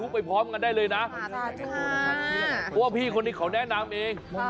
เพราะว่าพี่คนนี้ขอแนะนำเอง